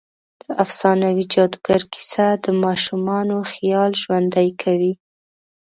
د افسانوي جادوګر کیسه د ماشومانو خيال ژوندۍ کوي.